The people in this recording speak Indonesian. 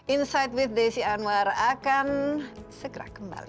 insight with desi anwar akan segera kembali